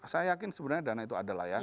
saya yakin sebenarnya dana itu ada lah ya